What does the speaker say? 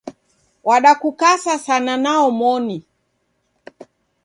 Wadakukasa sana naomoni